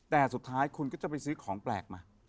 แต่สุดท้ายคุณก็จะไปซื้อของแปลกมา